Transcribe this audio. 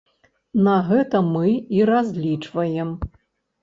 На гэта мы і разлічваем.